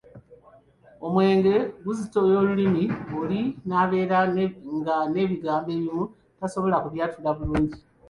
Omwenge guzitoya olulimi oli n'abeera nga n'ebigambo ebimu tasobola kubyatula bulungi.